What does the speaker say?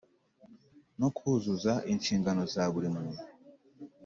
no kuzuza inshingano za buri muntu.